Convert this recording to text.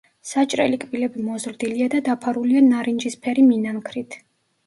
საჭრელი კბილები მოზრდილია და დაფარულია ნარინჯისფერი მინანქრით.